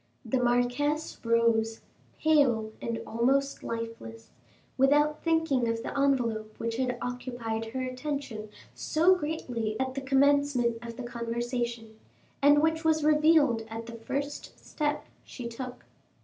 The marquise rose, pale and almost lifeless, without thinking of the envelope, which had occupied her attention so greatly at the commencement of the conversation, and which was revealed at the first step she took.